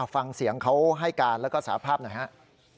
ฟังเสียงเขาให้การแล้วก็สาภาพหน่อยครับ